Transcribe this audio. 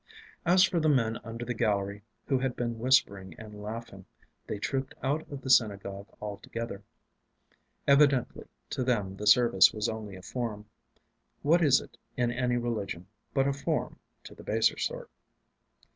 As for the men under the gallery, who had been whispering and laughing, they trooped out of the synagogue all together. Evidently, to them the service was only a form. What is it, in any religion, but a form, to the baser sort?